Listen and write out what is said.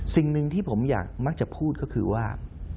สิ่งหนึ่งที่ผมอยากมักจะพูดก็คือว่า